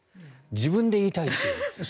自分で言いたいという。